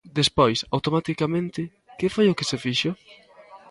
Despois, automaticamente, ¿que foi o que se fixo?